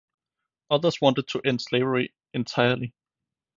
Others wanted to end slavery entirely.